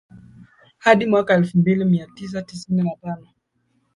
hadi mwaka elfu moja mia tisa tisini na tano